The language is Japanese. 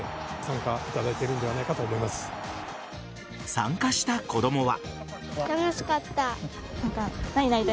参加した子供は。